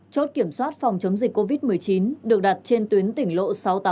chốt kiểm soát phòng chống dịch covid một mươi chín được đặt trên tuyến tỉnh lộ sáu trăm tám mươi tám